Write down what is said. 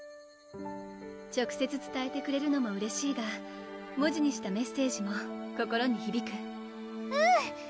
直接つたえてくれるのもうれしいが文字にしたメッセージも心にひびくうん！